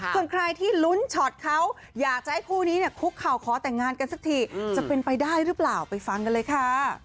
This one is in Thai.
ส่วนใครที่ลุ้นช็อตเขาอยากจะให้คู่นี้เนี่ยคุกเข่าขอแต่งงานกันสักทีจะเป็นไปได้หรือเปล่าไปฟังกันเลยค่ะ